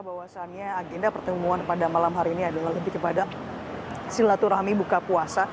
bahwasannya agenda pertemuan pada malam hari ini adalah lebih kepada silaturahmi buka puasa